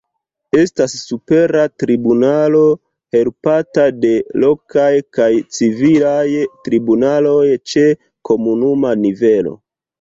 Estas Supera Tribunalo, helpata de lokaj kaj civilaj tribunaloj ĉe komunuma nivelo.